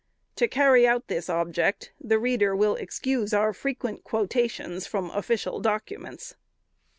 To carry out this object, the reader will excuse our frequent quotations from official documents.